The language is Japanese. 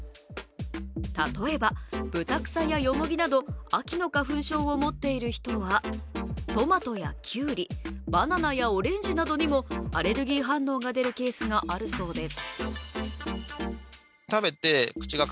例えば、ぶたくさやよもぎなど秋の花粉症を持っている人はトマトやきゅうり、バナナやオレンジなどにもアレルギー反応が出るケースがあるそうです。